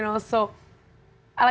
dan itu bagus untuk